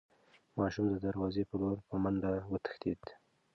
ماشوم د دروازې په لور په منډه وتښتېد.